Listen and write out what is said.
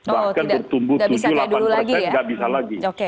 bahkan bertumbuh tujuh puluh delapan persen nggak bisa lagi